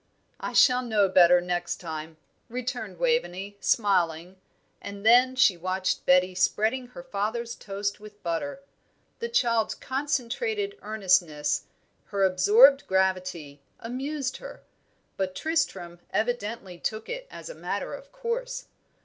"I shall know better next time," returned Waveney, smiling; and then she watched Betty spreading her father's toast with butter. The child's concentrated earnestness, her absorbed gravity, amused her; but Tristram evidently took it as a matter of course.